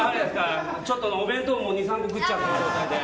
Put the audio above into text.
ちょっと弁当も２、３個いっちゃってる状態で。